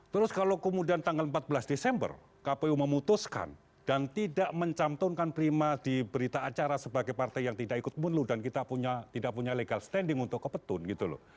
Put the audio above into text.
terus kalau kemudian tanggal empat belas desember kpu memutuskan dan tidak mencantumkan prima di berita acara sebagai partai yang tidak ikut munlu dan kita tidak punya legal standing untuk kepetun gitu loh